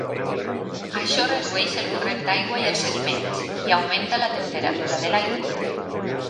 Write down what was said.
Això redueix el corrent d'aigua i els sediments i augmenta la temperatura de l'aigua.